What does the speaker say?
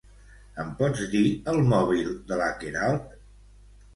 Em pots dir el mòbil de la Queralt?